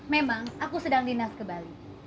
memang aku sedang dinas ke bali